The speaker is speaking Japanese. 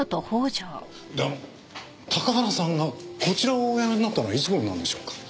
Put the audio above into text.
であの高原さんがこちらをお辞めになったのはいつ頃なんでしょうか？